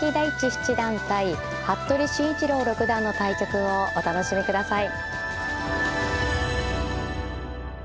七段対服部慎一郎六段の対局をお楽しみください。